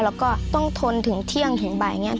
แล้วก็ต้องทนถึงเที่ยงถึงบ่ายอย่างนี้